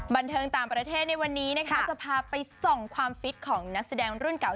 บันเทิงต่างประเทศในวันนี้นะคะจะพาไปส่องความฟิตของนักแสดงรุ่นเก่า